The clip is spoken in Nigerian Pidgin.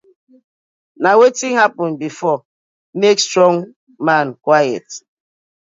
Na wetin happen before, make strong man quiet: